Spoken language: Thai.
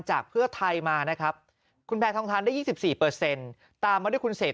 เพื่อไทยมานะครับคุณแพทองทานได้๒๔ตามมาด้วยคุณเสก